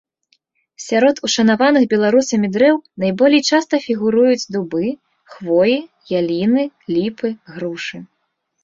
Сярод ушанаваных беларусамі дрэў найболей часта фігуруюць дубы, хвоі, яліны, ліпы, грушы.